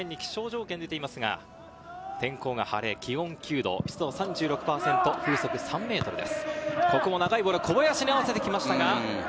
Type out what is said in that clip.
気象条件が出ていますが、天候が晴れ、気温９度、湿度は３６パーセント、風速３メートルです。